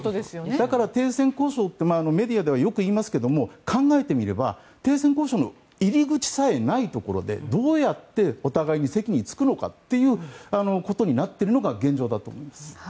だから、停戦交渉ってメディアではよく言いますが考えてみれば停戦交渉の入り口さえないところでどうやってお互いに席に着くのかということになってるのが現状だと思います。